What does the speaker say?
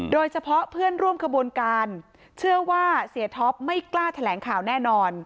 โดยเฉพาะเพื่อนร่วมขบวนการเชื่อว่าเสียท็อปไม่กล้าแถลงข่าวแน่นอน